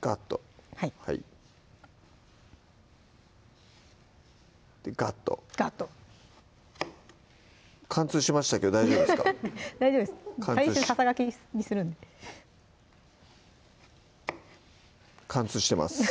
ガッとでガッとガッと貫通しましたけど大丈夫ですか大丈夫です最終ささがきにするんで貫通してます